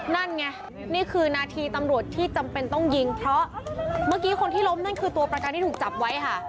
นั่นไงนี่คือนาทีตำรวจที่จำเป็นต้องยิงเพราะเมื่อกี้คนที่ล้มนั่นคือตัวประกันที่ถูกจับไว้ค่ะ